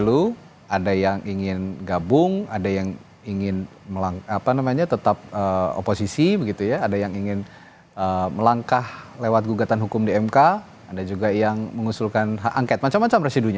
kami akan segera kembali